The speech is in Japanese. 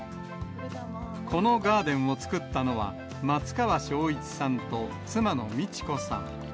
このガーデンを造ったのは、松川正一さんと妻の道子さん。